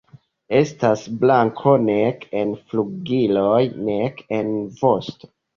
Estas blanko nek en flugiloj nek en vosto.